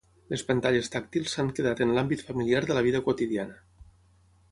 Les pantalles tàctils s'han quedat en l'àmbit familiar de la vida quotidiana.